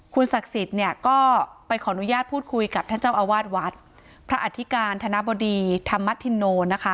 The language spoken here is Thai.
คุณศักดิ์สิทธิ์เนี่ยก็ไปขออนุญาตพูดคุยกับท่านเจ้าอาวาสวัดพระอธิการธนบดีธรรมธินโนนะคะ